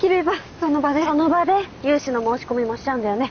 その場で融資の申し込みもしちゃうんだよね。